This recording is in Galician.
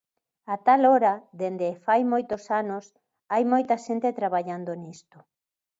A tal hora, dende fai moitos anos, hai moita xente traballando nisto.